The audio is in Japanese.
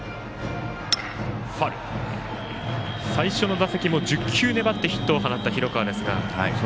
最初の打席も１０球粘ってヒットを放った広川ですが。